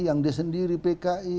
yang dia sendiri pki